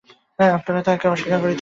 আপনারা তাঁহাকে অস্বীকার করিতে পারেন না।